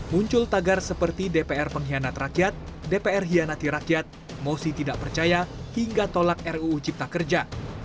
muncul tagar seperti dpr pengkhianat rakyat dpr hianati rakyat mosi tidak percaya hingga tolak ruu cipta kerja